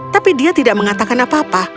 tapi dia tidak mengatakan apa apa